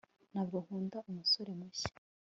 ntabwo nkunda umusore mushya